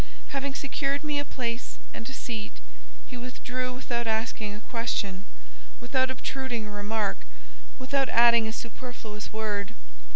Having secured me a place and a seat, he withdrew without asking a question, without obtruding a remark, without adding a superfluous word.